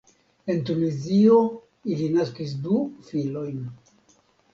En Tunizio ili naskis du filojn.